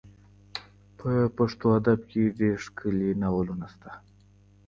په پښتو ادب کي ډېر ښکلي ناولونه سته.